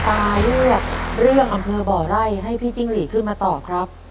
อาเลือกเรื่องอำเภอบ่อไร่ให้พี่จิ้งหลีขึ้นมาตอบครับ